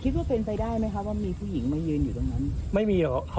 ทางผู้ชมพอเห็นแบบนี้นะทางผู้ชมพอเห็นแบบนี้นะ